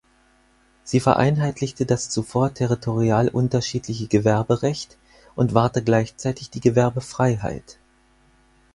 Sie vereinheitlichte das zuvor territorial unterschiedliche Gewerberecht und wahrte gleichzeitig die Gewerbefreiheit.